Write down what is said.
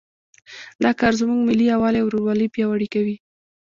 دا کار زموږ ملي یووالی او ورورولي پیاوړی کوي